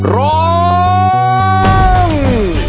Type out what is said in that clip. ร้อง